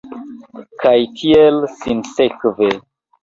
Kaj tiel sinsekve.